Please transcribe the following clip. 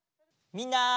みんな。